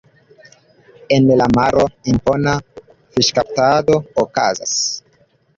En la maro impona fiŝkaptado okazas.